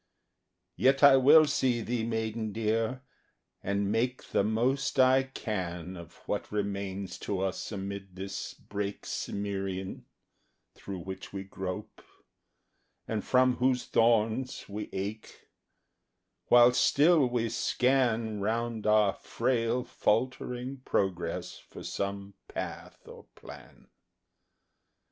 Yet I will see thee, maiden dear, and make The most I can Of what remains to us amid this brake Cimmerian Through which we grope, and from whose thorns we ache, While still we scan Round our frail faltering progress for some path or plan.